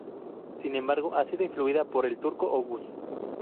Sin embargo, ha sido influida por el turco oghuz.